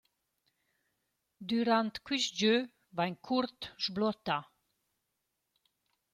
Dürant qist gö vain Kurt sbluottà.